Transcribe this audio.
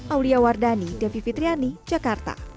aulia wardani devi fitriani jakarta